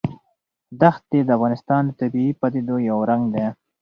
دښتې د افغانستان د طبیعي پدیدو یو رنګ دی.